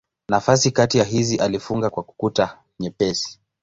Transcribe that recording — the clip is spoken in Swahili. Nafasi kati ya hizi alifunga kwa kuta nyepesi.